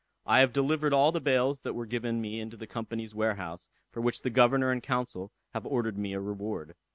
I have delivered all the bales that were given me into the Company's warehouse, for which the governor and council have ordered me a reward.